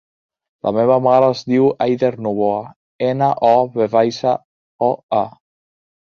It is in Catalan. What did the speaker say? La meva mare es diu Eider Novoa: ena, o, ve baixa, o, a.